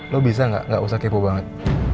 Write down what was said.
lo bisa gak gak usah kepo banget